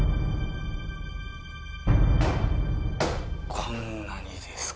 こんなにですか